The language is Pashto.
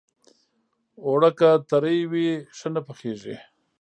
اوړه که ترۍ وي، ښه نه پخېږي